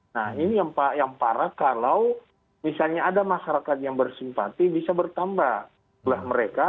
nah ini yang parah kalau misalnya ada masyarakat yang bersimpati bisa bertambah jumlah mereka